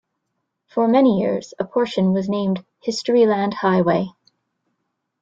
For many years, a portion was named "Historyland Highway".